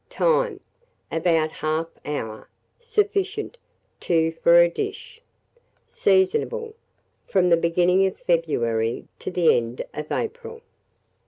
Time. About 1/2 hour. Sufficient, 2 for a dish. Seasonable from the beginning of February to the end of April.